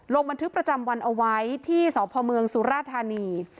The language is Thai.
ลงบันทึกประจำวันเอาไว้ที่สพเมืองสุราธานี